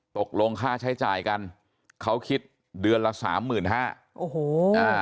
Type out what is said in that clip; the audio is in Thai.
ตกลงค่าใช้จ่ายกันเขาคิดเดือนละ๓๕๐๐๐อันนี้อยู่ประจำนะ